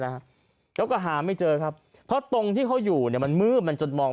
นะฮะแล้วก็หาไม่เจอครับเพราะตรงที่เขาอยู่เนี่ยมันมืดมันจนมอง